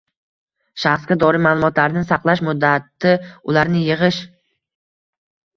Shaxsga doir ma’lumotlarni saqlash muddati ularni yig‘ish